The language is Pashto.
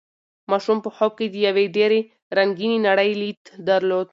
ماشوم په خوب کې د یوې ډېرې رنګینې نړۍ لید درلود.